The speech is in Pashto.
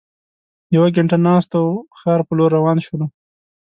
یوه ګینټه ناست وو او ښار په لور روان شولو.